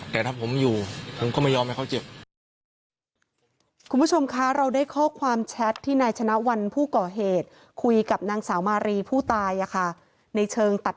แต่ถ้าผมอยู่ผมก็ไม่ยอมให้เขาเจ็บ